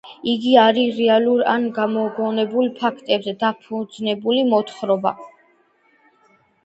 იგი არის რეალურ ან გამოგონებულ ფაქტებზე დაფუძნებული მოთხრობა